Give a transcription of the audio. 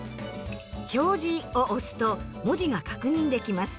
「表示」を押すと文字が確認できます。